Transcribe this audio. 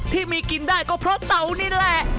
ที่มีกินได้ก็เพราะเตานี่แหละ